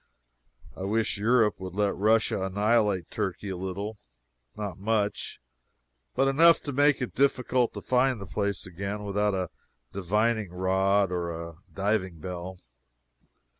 I wish Europe would let Russia annihilate Turkey a little not much, but enough to make it difficult to find the place again without a divining rod or a diving bell.